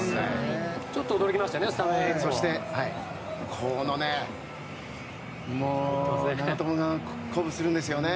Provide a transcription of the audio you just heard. ちょっと驚きましたよね。